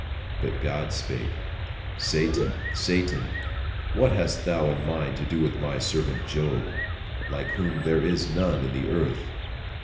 But God spake, "Satan, Satan, what hast thou a mind to do with my servant Job, like whom there is none in the earth?"